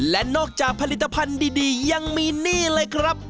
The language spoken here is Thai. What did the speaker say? และนอกจากผลิตภัณฑ์ดียังมีนี่เลยครับ